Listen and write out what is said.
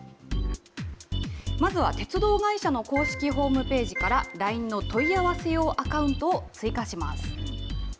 まずは、鉄道会社の公式ホームページから、ＬＩＮＥの問い合わせ用アカウントを追加します。